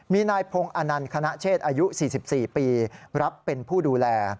มีนายพงศ์อนันต์คณะเชษอายุ๔๔ปีรับเป็นผู้ดูแล